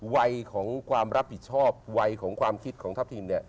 วัยของความรับผิดชอบวัยของความคิดของทัพทิมเนี่ย